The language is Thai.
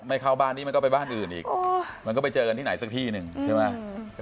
เข้าบ้านนี้มันก็ไปบ้านอื่นอีกมันก็ไปเจอกันที่ไหนสักที่หนึ่งใช่ไหม